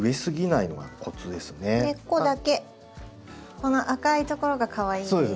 この赤いところがかわいいです。